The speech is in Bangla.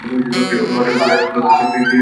মানুষ উদ্ভিদের ফল, লতাপাতা খেয়ে বেঁচে থাকে।